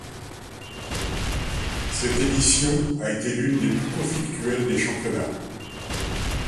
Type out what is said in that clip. Cette édition a été l'une des plus conflictuelles des championnats.